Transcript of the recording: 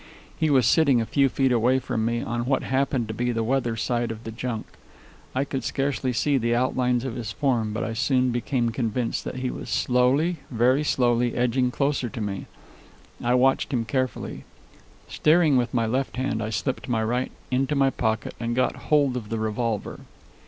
He was sitting a few feet away from me, on what then happened to be the weather side of the junk. I could scarcely see the outlines of his form, but I soon became convinced that he was slowly, very slowly, edging closer to me. I watched him carefully. Steering with my left hand, I slipped my right into my pocket and got hold of the revolver.